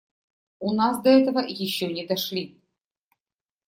У нас до этого еще не дошли.